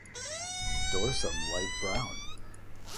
Dorsum light brown.